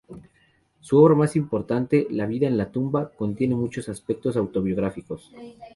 Su obra más importante, "La vida en la tumba", contiene muchos aspectos autobiográficos.